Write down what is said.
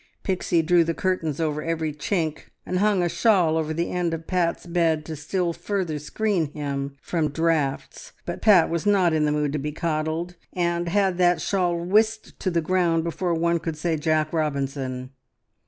Pixie drew the curtains over every chink, and hung a shawl over the end of Pat's bed to still further screen him from draughts, but Pat was not in the mood to be coddled, and had that shawl whisked to the ground before one could say Jack Robinson.